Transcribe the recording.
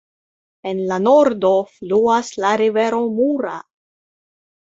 En la nordo fluas la rivero Mura.